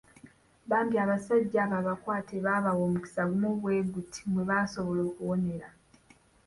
Bambi abasajja abo abakwate baabawa omukisa gumu bwe guti mwe basobola okuwonera.